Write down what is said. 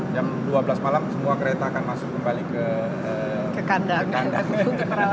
jam dua belas malam semua kereta akan masuk kembali ke kandang